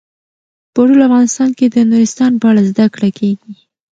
په ټول افغانستان کې د نورستان په اړه زده کړه کېږي.